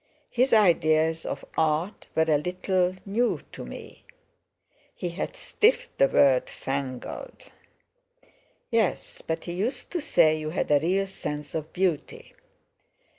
His ideas of art were a little new—to me"—he had stiffed the word 'fangled.' "Yes: but he used to say you had a real sense of beauty."